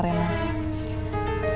di kamarnya rena